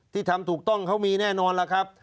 ทำถูกต้องเขามีแน่นอนล่ะครับ